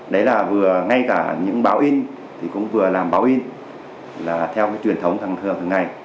đấy là vừa ngay cả những báo in thì cũng vừa làm báo in là theo cái truyền thống tăng thường ngày